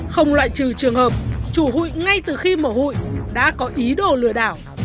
không loại trừ trường hợp chủ hụi ngay từ khi mở hụi đã có ý đồ lừa đảo